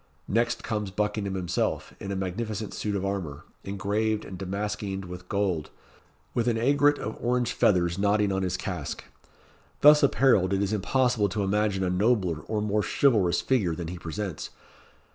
Next comes Buckingham himself, in a magnificent suit of armour, engraved and damaskeened with gold, with an aigret of orange feathers nodding on his casque. Thus apparelled, it is impossible to imagine a nobler or more chivalrous figure than he presents.